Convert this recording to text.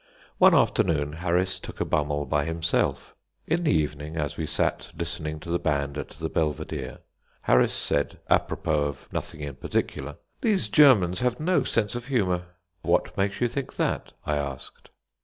One afternoon Harris took a "bummel" by himself. In the evening, as we sat listening to the band at the Belvedere, Harris said, a propos of nothing in particular, "These Germans have no sense of humour." "What makes you think that?" I asked.